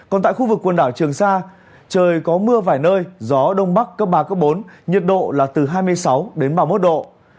còn tại khu vực quần đảo trường sa trời có mưa vài nơi gió đông bắc cấp ba bốn nhiệt độ là từ hai mươi sáu đến ba mươi một độ